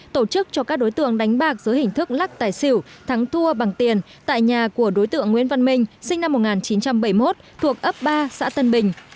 tổ chức cho các đối tượng đánh bạc dưới hình thức lắc tài xỉu thắng thua bằng tiền tại nhà của đối tượng nguyễn văn minh sinh năm một nghìn chín trăm bảy mươi một thuộc ấp ba xã tân bình